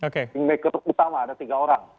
kingmaker utama ada tiga orang